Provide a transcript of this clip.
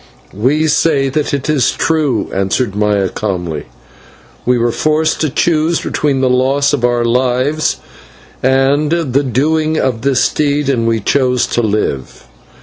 "We say that it is true," answered Maya calmly. "We were forced to choose between the loss of our lives and the doing of this deed, and we chose to live.